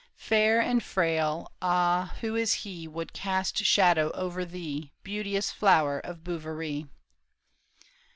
Fair and frail — ah, who is he Would cast shadow over thee. Beauteous flower of Bouverie